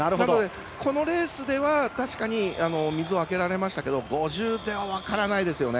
このレースでは確かに水をあけられましたが５０では分からないですよね。